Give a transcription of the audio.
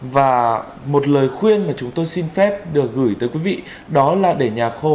và một lời khuyên mà chúng tôi xin phép được gửi tới quý vị đó là để nhà khô